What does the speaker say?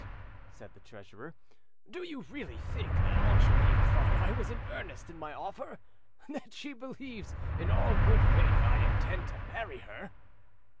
said the treasurer, "do you really think that Angelique thought I was in earnest in my offer?—that she believes in all good faith I intend to marry her?"